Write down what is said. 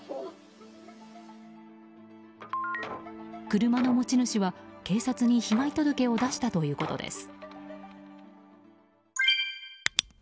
車の持ち主は、警察に被害届を出したということです。